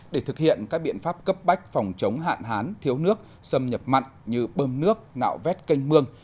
để thực hiện các biện pháp cấp bách phòng chống hạn hán thiếu nước xâm nhập mặn như bơm nước nạo vét canh mương